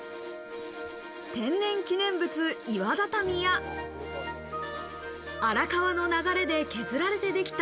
天然記念物、岩畳や、荒川の流れで削られてできた